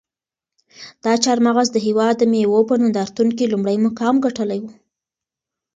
دا چهارمغز د هېواد د مېوو په نندارتون کې لومړی مقام ګټلی و.